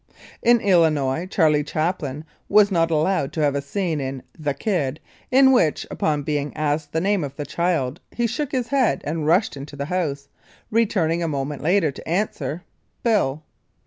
In Illinois, Charlie Chaplin was not allowed to have a scene in "The Kid" in which upon being asked the name of the child he shook his head and rushed into the house, returning a moment later to answer, "Bill."